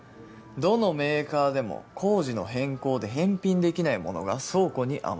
どのメーカーでも工事の変更で返品できないものが倉庫に余ってる。